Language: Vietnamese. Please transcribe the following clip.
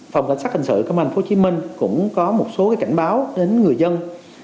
phòng cảnh sát hình sự công an thành phố hồ chí minh cũng có một số cảnh báo đến người dân